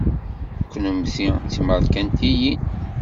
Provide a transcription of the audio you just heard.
Kennemti d timarikaniyin?